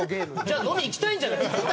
じゃあ飲みに行きたいんじゃないですか！